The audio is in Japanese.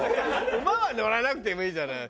馬は乗らなくてもいいじゃない。